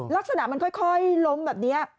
ลักษณะมันค่อยล้มแบบนี้